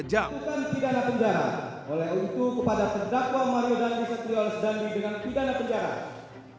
jam tidak ada penjara oleh untuk kepada pedagang mario dandri setiolos dandi dengan pidana penjara